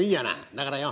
だからよ